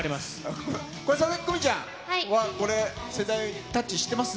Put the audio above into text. これ、佐々木久美さん、これ、世代、タッチ知ってます？